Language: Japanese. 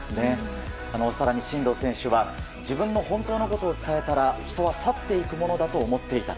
更に真道選手は自分の本当のことを伝えたら人は去っていくものだと思っていた。